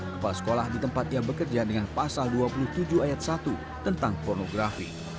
kepala sekolah di tempat ia bekerja dengan pasal dua puluh tujuh ayat satu tentang pornografi